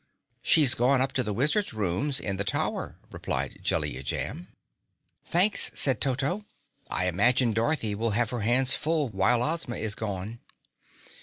"She's gone up to the Wizard's rooms in the tower," replied Jellia Jamb. "Thanks," said Toto. "I imagine Dorothy will have her hands full while Ozma is gone."